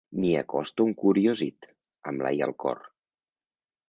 M'hi acosto encuriosit, amb l'ai al cor.